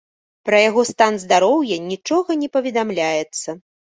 Пра яго стан здароўя нічога не паведамляецца.